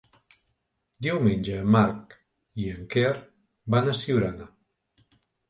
Diumenge en Marc i en Quer van a Siurana.